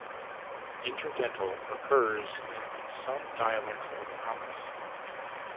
Interdental occurs in some dialects of Amis.